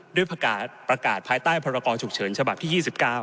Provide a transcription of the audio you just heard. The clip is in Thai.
ประกาศภายใต้พรกรฉุกเฉินฉบับที่๒๙